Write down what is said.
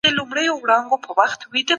موږ باید دغه نظام په خپلو ځانونو کي پلي کړو.